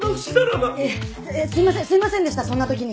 いやすいませんすいませんでしたそんな時に。